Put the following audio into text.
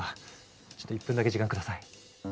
ちょっと１分だけ時間下さい。